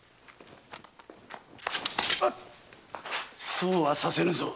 そうはさせぬぞ。